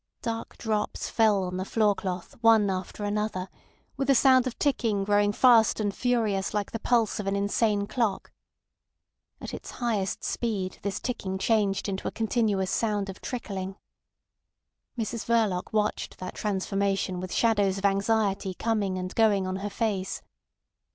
Dark drops fell on the floorcloth one after another, with a sound of ticking growing fast and furious like the pulse of an insane clock. At its highest speed this ticking changed into a continuous sound of trickling. Mrs Verloc watched that transformation with shadows of anxiety coming and going on her face.